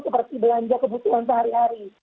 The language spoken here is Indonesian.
seperti belanja kebutuhan sehari hari